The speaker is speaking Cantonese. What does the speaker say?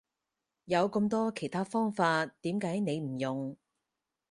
有咁多其他方法點解你唔用？